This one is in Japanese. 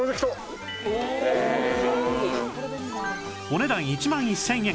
お値段１万１０００円